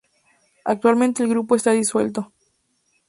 Actualmente el grupo está disuelto.